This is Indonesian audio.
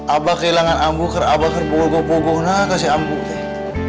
abah kehilangan ambu ker abah ker pukul pukul nah kasih ambu neng